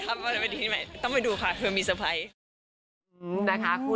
ต้องไปคอมเม้นใหม่ครับต้องไปดูค่ะเพื่อมีสไพรส์